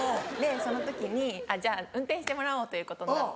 その時にじゃあ運転してもらおうということになって。